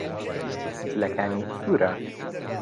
جلەکانی سوورە.